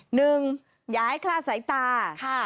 หนึ่งอย่าให้คลาดสายตา